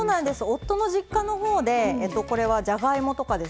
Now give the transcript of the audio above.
夫の実家のほうでえっとこれはじゃがいもとかですね